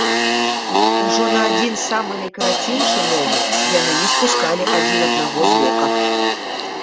Ужо на адзін самы найкарацейшы момант яны не спускалі адзін аднаго з вока.